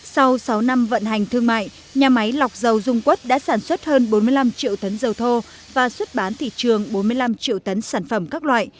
sau sáu năm vận hành thương mại nhà máy lọc dầu dung quất đã sản xuất hơn bốn mươi năm triệu tấn dầu thô và xuất bán thị trường bốn mươi năm triệu tấn sản phẩm các loại